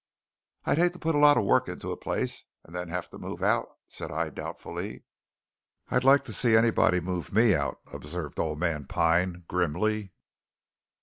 "I'd hate to put a lot of work into a place, and then have to move out," said I doubtfully. "I'd like to see anybody move me out!" observed old man Pine grimly.